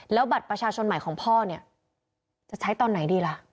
แล้วบัตรประชาชนใหม่ของพ่อเนี่ยจะใช้ตอนไหนดีล่ะ